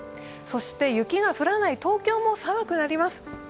そして雪が降らない東京も寒くなります。